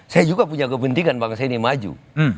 saya juga punya kepentingan bangsa ini maju